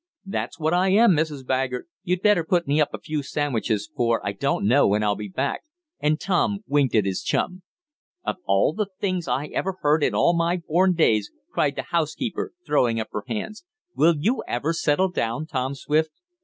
"That's what I am, Mrs. Baggert. You'd better put me up a few sandwiches, for I don't know when I'll be back," and Tom winked at his chum. "Oh, of all things I ever heard in all my born days!" cried the housekeeper, throwing up her hands. "Will you ever settle down, Tom Swift?"